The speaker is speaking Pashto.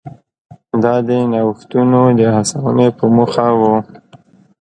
دا د نوښتونو د هڅونې په موخه و.